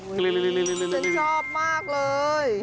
ฉันชอบมากเลย